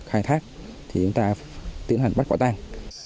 khai thác thì chúng ta tiến hành bắt quả tang